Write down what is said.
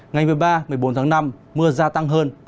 ngày một mươi ba một mươi bốn tháng năm mưa gia tăng hơn